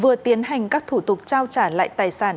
vừa tiến hành các thủ tục trao trả lại tài sản